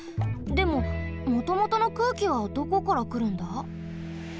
でももともとの空気はどこからくるんだ？